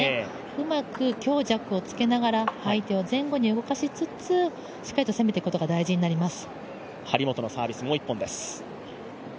うまく強弱をつけながら、相手を前後に動かしつつしっかりと攻めてくことが大事になります。